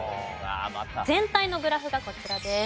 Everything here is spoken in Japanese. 全体のグラフがこちらです。